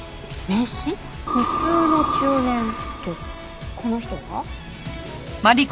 「普通の中年」ってこの人が？